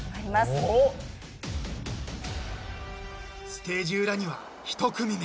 ［ステージ裏には１組目］